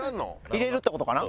入れるって事かな？